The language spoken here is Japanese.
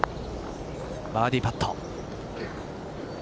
バーディーパット。